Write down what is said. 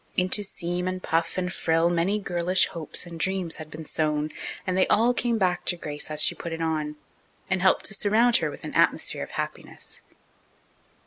Into seam and puff and frill many girlish hopes and dreams had been sewn, and they all came back to Grace as she put it on, and helped to surround her with an atmosphere of happiness.